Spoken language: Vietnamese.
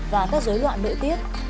và các dối loạn nội tiết